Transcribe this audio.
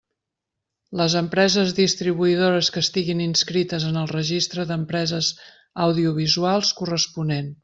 Les empreses distribuïdores que estiguin inscrites en el registre d'empreses audiovisuals corresponent.